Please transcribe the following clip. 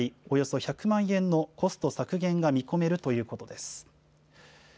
およそ１００万円のコスト削減が見込めるということです。